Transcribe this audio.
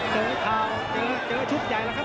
เจอข่าวเจอชุดใหญ่แล้วครับ